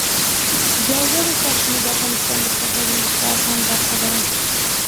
ژورې سرچینې د افغانستان د بشري فرهنګ برخه ده.